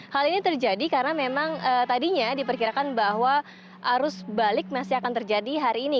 hal ini terjadi karena memang tadinya diperkirakan bahwa arus balik masih akan terjadi hari ini